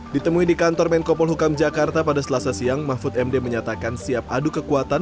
ditemui di kantor menko polhukam jakarta pada selasa siang mahfud md menyatakan siap adu kekuatan